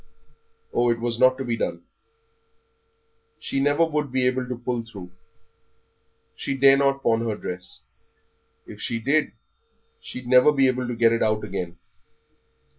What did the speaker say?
Oh, it was not to be done she never would be able to pull through. She dare not pawn her dress; if she did she'd never be able to get it out again.